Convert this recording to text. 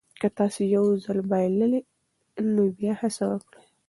که تاسي یو ځل بایللي نو بیا هڅه وکړئ.